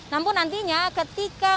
namun nantinya ketika